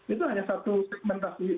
itu hanya satu segmentasi